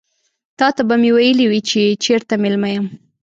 تاته به مې ويلي وي چې چيرته مېلمه یم.